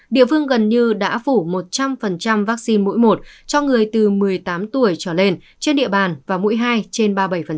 địa phương gần như đã phủ một trăm linh vaccine mũi một cho người từ một mươi tám tuổi trở lên trên địa bàn và mũi hai trên ba mươi bảy